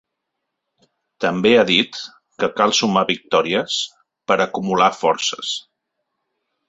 També ha dit que cal sumar victòries per ‘acumular forces’.